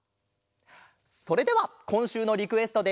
それではこんしゅうのリクエストで。